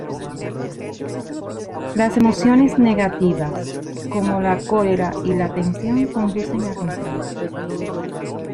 Las emociones negativas como la cólera y la tensión conducen a comprar.